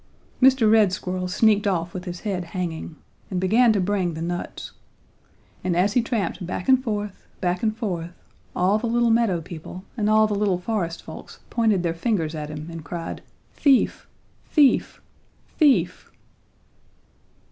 "Mr. Red Squirrel sneaked off with his head hanging, and began to bring the nuts. And as he tramped back and forth, back and forth, all the little meadow people and all the little forest folks pointed their fingers at him and cried 'Thief! Thief! Thief!'